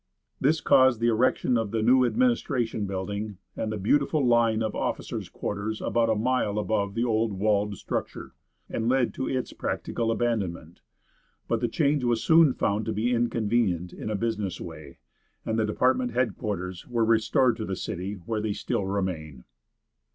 This caused the erection of the new administration building and the beautiful line of officers' quarters about a mile above the old walled structure, and led to its practical abandonment; but the change was soon found to be inconvenient in a business way, and the department headquarters were restored to the city, where they still remain.